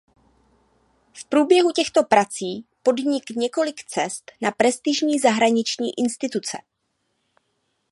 V průběhu těchto prací podnik několik cest na prestižní zahraniční instituce.